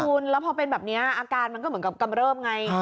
คุณแล้วพอเป็นแบบนี้อาการมันก็เหมือนกับกำเริบไง